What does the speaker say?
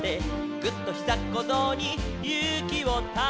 「ぐっ！とひざっこぞうにゆうきをため」